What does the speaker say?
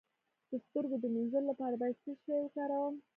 د سترګو د مینځلو لپاره باید څه شی وکاروم؟